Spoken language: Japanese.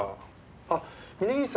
あっ峰岸さん